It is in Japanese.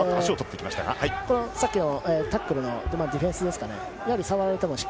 さっきのタックルのディフェンスですかね？